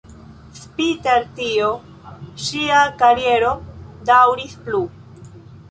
Spite al tio, ŝia kariero daŭris plu.